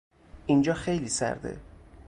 اینجا خیلی سرده!